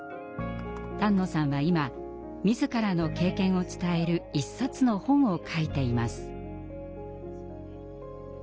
丹野さんは今自らの経験を伝える１冊の本を書いています。